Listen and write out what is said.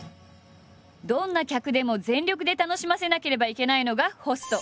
どんな客でも全力で楽しませなければいけないのがホスト。